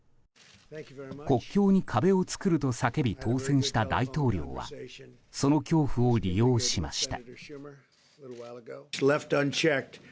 国境に壁を作ると叫び当選した大統領はその恐怖を利用しました。